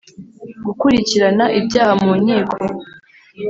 gukurikirana ibyaha mu nkiko